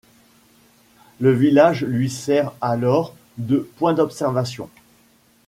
Le village lui sert alors de point d'observation.